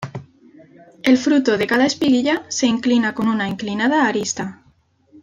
El fruto de cada espiguilla se inclina con una inclinada arista.